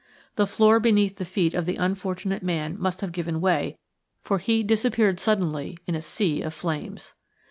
The floor beneath the feet of the unfortunate man must have given way, for he disappeared suddenly in a sea of flames.